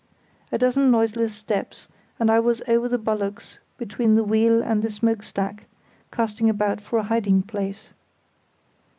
A dozen noiseless steps and I was over the bulwarks between the wheel and the smoke stack, casting about for a hiding place.